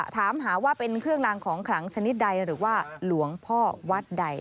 ถามหาว่าเป็นเครื่องลางของขลังชนิดใดหรือว่าหลวงพ่อวัดใด